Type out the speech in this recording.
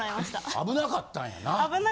危なかったんやな。